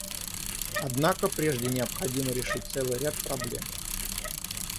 Однако прежде необходимо решить целый ряд проблем.